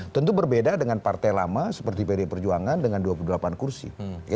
tentu berbeda dengan partai lama seperti pd perjuangan dengan dua puluh delapan kursi